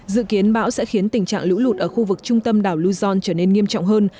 dự kiến bão sẽ khiến tình trạng lũ lụt ở khu vực trung tâm đảo lưu dông trở nên nghiêm trọng hơn